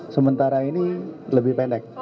sementara ini lebih pendek